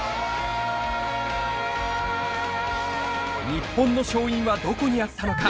日本の勝因はどこにあったのか。